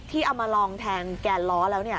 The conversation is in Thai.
ที่เอามาลองแทนแกนล้อแล้วเนี่ย